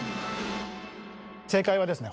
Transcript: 正解はですね